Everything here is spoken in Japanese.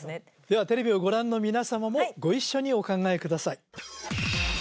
ではテレビをご覧の皆さまもご一緒にお考えください